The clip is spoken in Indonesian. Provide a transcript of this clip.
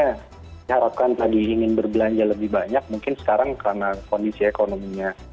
ya jadi masyarakat tentunya harapkan tadi ingin berbelanja lebih banyak mungkin sekarang karena kondisinya ini ya